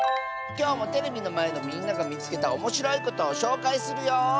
きょうもテレビのまえのみんながみつけたおもしろいことをしょうかいするよ！